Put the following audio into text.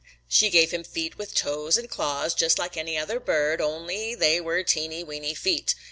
She gave him feet with toes and claws just like any other bird, only they were teeny, weeny feet.